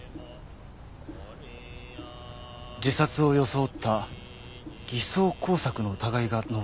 自殺を装った偽装工作の疑いが濃厚になりました。